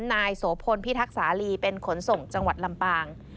นายโสพลพิทักษาลีเป็นขนส่งจังหวัดลำปาง